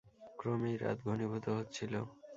ক্রমেই রাত ঘনীভূত হচ্ছিল।